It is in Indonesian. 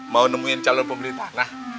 mau nemuin calon pembeli tanah